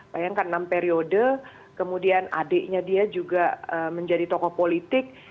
bayangkan enam periode kemudian adiknya dia juga menjadi tokoh politik